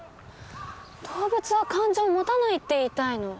動物は感情を持たないって言いたいの？